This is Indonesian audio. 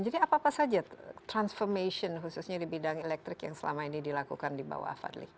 jadi apa apa saja transformation khususnya di bidang elektrik yang selama ini dilakukan di bawah fadli